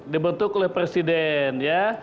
dibentuk oleh presiden